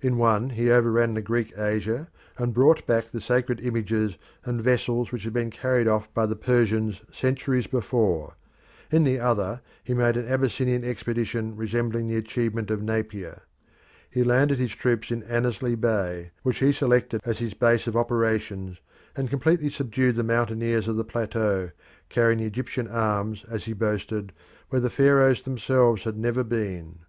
In one he overran Greek Asia and brought back the sacred images and vessels which had been carried off by the Persians centuries before; in the other he made an Abyssinian expedition resembling the achievement of Napier. He landed his troops in Annesley Bay, which he selected as his base of operations, and completely subdued the mountaineers of the plateau, carrying the Egyptian arms, as he boasted, where the Pharaohs themselves had never been.